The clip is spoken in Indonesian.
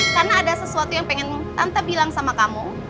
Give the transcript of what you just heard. karena ada sesuatu yang pengen tante bilang sama kamu